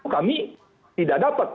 kami tidak dapat